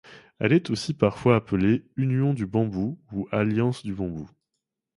Elle est aussi parfois appelée Union du Bambou ou Alliance du Bambou.